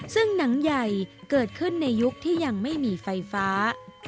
ซึ่งหนังใหญ่เกิดขึ้นในยุคที่ยังไม่มีไฟฟ้า